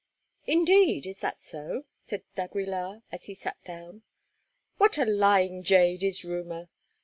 "Indeed, is that so?" said d'Aguilar as he sat down. "What a lying jade is rumour!